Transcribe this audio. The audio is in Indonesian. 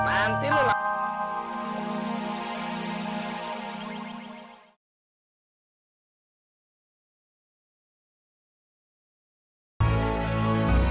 nanti lo lah